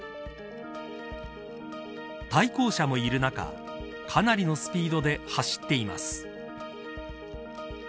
対向車もいる中かなりのスピードで走っています。